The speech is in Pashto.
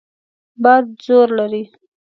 باد زور لري.